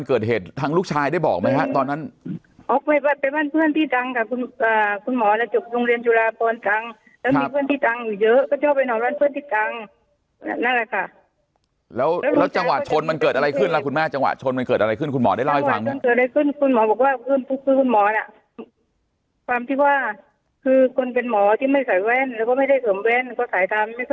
ก็ถึงเวลาก็ถึงจังหวัดมันถึงคราวพล็อคกันทั้งสองฝ่าย